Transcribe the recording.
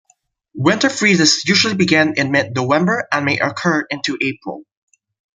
Winter freezes usually begin in mid November and may occur into April.